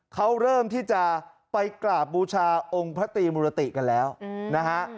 เขาเริ่มที่จะไปกราบบูชาองค์พระตรีมุรติกันแล้วนะฮะ